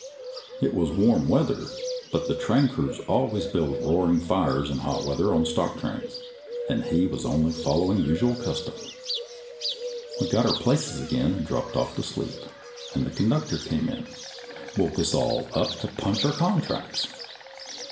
It was warm weather, but the train crews always build roaring fires in hot weather on stock trains, and he was only following the usual custom. We got our places again and dropped off to sleep. The conductor came in, woke us all up to punch our contracts.